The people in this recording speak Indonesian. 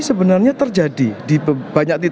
sebenarnya terjadi di banyak